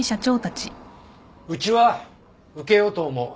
うちは受けようと思う。